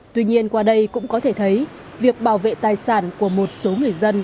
tuy nhiên qua đây cũng có thể thấy việc bảo vệ tài sản của một số người dân